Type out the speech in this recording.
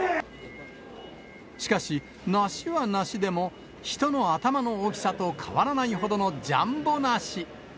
しかし、梨は梨でも、人の頭の大きさと変わらないほどのジャンボ梨。